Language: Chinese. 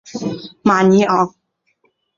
马尼昂。